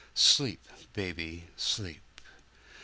Sleep, baby, sleep!